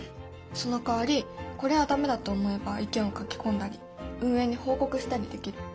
そのかわりこれは駄目だと思えば意見を書き込んだり運営に報告したりできる。